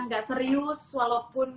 gak serius walaupun